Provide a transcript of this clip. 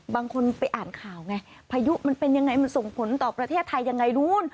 บางคนไปอ่านข่าวไงพายุมันเป็นยังไงมันส่งผลต่อประเทศไทยยังไงนู้น